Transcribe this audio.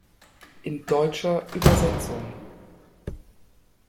In deutscher Übersetzung